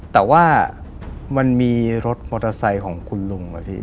แต่ว่ามันมีรถมอเตอร์ไซค์ของคุณลุงอะพี่